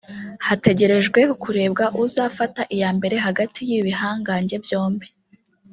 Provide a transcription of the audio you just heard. hategerejwe kkurebwa uzafata iya mbere hagati y’ibi bihangange byombi